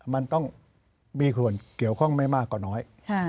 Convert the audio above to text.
มันต้องมีส่วนเกี่ยวข้องไม่มากกว่าน้อย